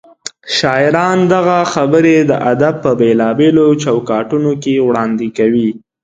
شاعران دغه خبرې د ادب په بېلابېلو چوکاټونو کې وړاندې کوي.